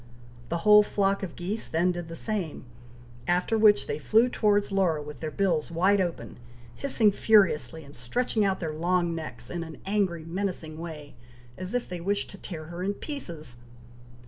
The whole flock of geese then did the same, after which they flew towards Laura, with their bills wide open, hissing furiously, and stretching out their long necks in an angry menacing way, as if they wished to tear her in pieces.